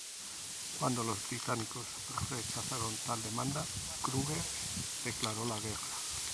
Cuando los británicos rechazaron tal demanda, Kruger declaró la guerra.